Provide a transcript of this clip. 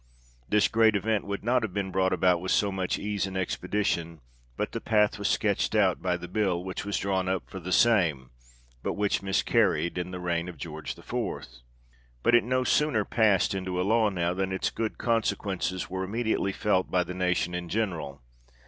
This great event would not have been brought about with so much ease and expedition, but the path was sketched out by the bill, which was drawn up for the same (but which miscarried) in the reign of George IV. But it no sooner passed into a law now, than its good consequences were immediately felt by the nation in general.